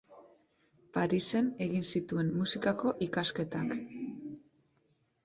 Parisen egin zituen musikako ikasketak.